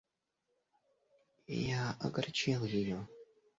Я огорчил ее.